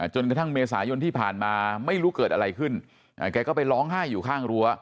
จนกระทั่งเมษายนที่ผ่านมาไม่รู้เกิดอะไรขึ้นแกก็ไปร้องไห้อยู่ข้างรั้ว